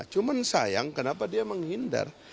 cuma sayang kenapa dia menghindar